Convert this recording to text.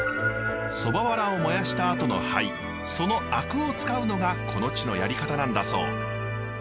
そばわらを燃やしたあとの灰そのあくを使うのがこの地のやり方なんだそう。